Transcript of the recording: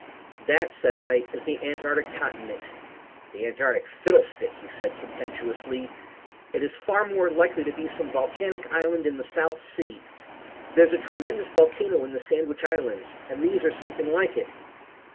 "That," said I, "is the antarctic continent." "The antarctic fiddlestick," said he, contemptuously. "It is far more likely to be some volcanic island in the South Sea. There's a tremendous volcano in the Sandwich Islands, and these are something like it."